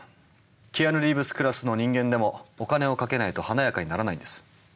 キアヌ・リーブスクラスの人間でもお金をかけないと華やかにならないんです。